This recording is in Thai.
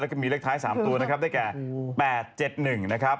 แล้วก็มีเลขท้าย๓ตัวนะครับได้แก่๘๗๑นะครับ